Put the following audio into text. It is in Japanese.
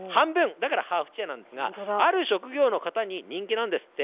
だからハーフチェアなんですが、ある職業の方に人気なんですって。